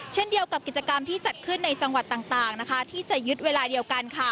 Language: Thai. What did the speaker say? เช่นเดียวกับกิจกรรมที่จัดขึ้นในจังหวัดต่างที่จะยึดเวลาเดียวกันค่ะ